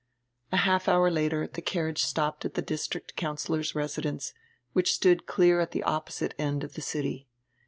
A half hour later die carriage stopped at die district councillor's residence, which stood clear at die opposite end of die city.